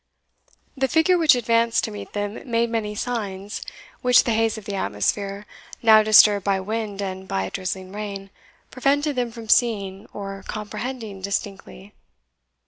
The figure which advanced to meet them made many signs, which the haze of the atmosphere, now disturbed by wind and by a drizzling rain, prevented them from seeing or comprehending distinctly.